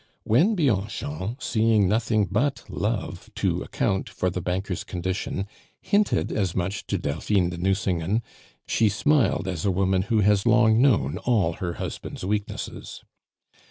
When Bianchon, seeing nothing but love to account for the banker's condition, hinted as much to Delphine de Nucingen, she smiled as a woman who has long known all her husband's weaknesses.